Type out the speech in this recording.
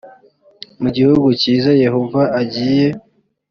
mu gihugu cyiza yehova agiye